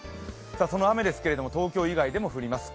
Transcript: その雨ですが、東京以外でも降ります。